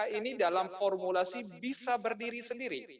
jadi bagaimana kita bisa membuat formulasi bisa berdiri sendiri